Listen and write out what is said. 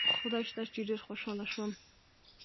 خدای شته چې ډېر خوشاله شوم.